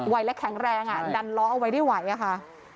วัยและแข็งแรงดันล้อเอาไว้ได้ไว้ค่ะ